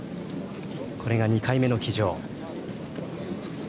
これが２回目の騎乗。